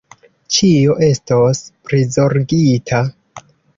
Ĉio estos prizorgita.